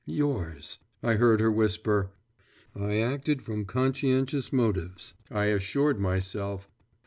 'Yours' I heard her whisper. 'I acted from conscientious motives,' I assured myself.